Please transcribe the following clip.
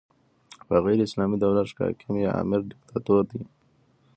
په غیري اسلامي دولت کښي حاکم یا امر ډیکتاتور يي.